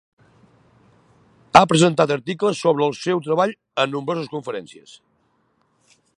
Ha presentat articles sobre el seu treball a nombroses conferències.